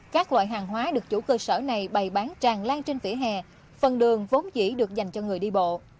các loại hàng hóa được chủ cơ sở này bày bán tràn lan trên vỉa hè phần đường vốn dĩ được dành cho người đi bộ